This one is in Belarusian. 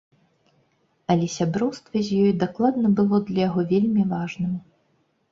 Але сяброўства з ёй дакладна было для яго вельмі важным.